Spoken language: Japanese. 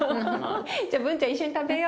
じゃあブンちゃん一緒に食べよう。